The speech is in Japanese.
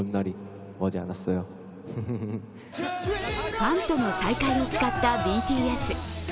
ファンとの再会を誓ったＢＴＳ。